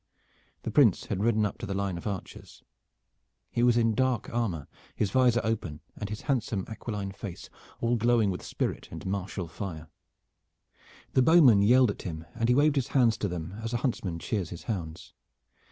The Prince had ridden up to the line of archers. He was in dark armor, his visor open, and his handsome aquiline face all glowing with spirit and martial fire. The bowmen yelled at him, and he waved his hands to them as a huntsman cheers his hounds.